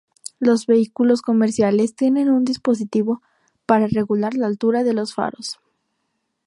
Los vehículos comerciales tienen un dispositivo para regular la altura de los faros.